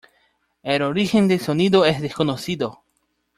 El origen del sonido es desconocido.